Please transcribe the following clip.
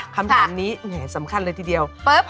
คำถามนี้แหมสำคัญเลยทีเดียว